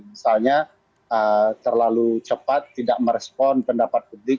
misalnya terlalu cepat tidak merespon pendapat publik